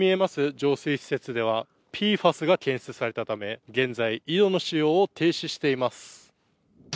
浄水施設ではＰＦＡＳが検出されたため現在、井戸の使用を停止しています